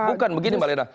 bukan begini mbak leda